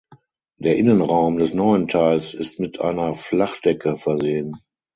Der Innenraum des neuen Teils ist mit einer Flachdecke versehen.